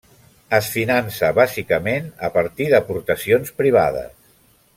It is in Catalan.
Es finança, bàsicament, a partir d'aportacions privades.